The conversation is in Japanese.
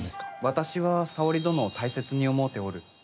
私は沙織殿を大切に思うておる。